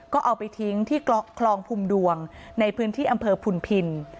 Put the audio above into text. ก็เอาไปทิ้งที่คลองพุมดวงในพื้นที่อำเภอพุนพิน